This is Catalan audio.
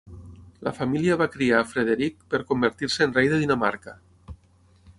La família va criar a Frederick per convertir-se en rei de Dinamarca.